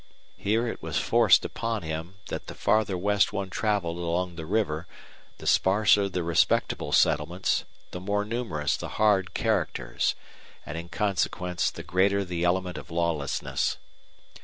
Here it was forced upon him that the farther west one traveled along the river the sparser the respectable settlements, the more numerous the hard characters, and in consequence the greater the element of lawlessness.